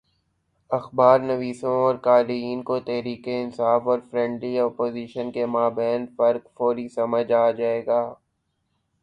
اخبارنویسوں اور قارئین کو تحریک انصاف اور فرینڈلی اپوزیشن کے مابین فرق فوری سمجھ آ جائے گا۔